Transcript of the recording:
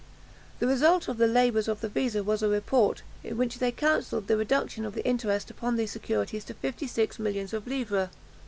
The result of the labours of the visa, was a report, in which they counselled the reduction of the interest upon these securities to fifty six millions of livres.